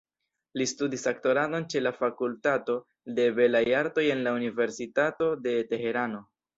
Li studis aktoradon ĉe la fakultato de belaj artoj en la Universitato de Teherano.